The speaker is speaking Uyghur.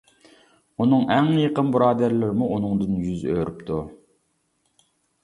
ئۇنىڭ ئەڭ يېقىن بۇرادەرلىرىمۇ ئۇنىڭدىن يۈز ئۆرۈپتۇ.